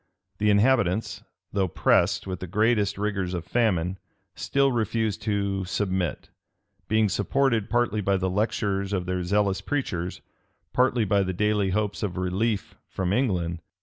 The inhabitants, though pressed with the greatest rigors of famine, still refused to submit; being supported, partly by the lectures of their zealous preachers, partly by the daily hopes of relief from England.